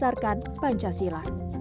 ormas yang berdasarkan pancasila